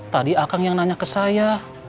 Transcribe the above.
tadi akang yang nanya ke saya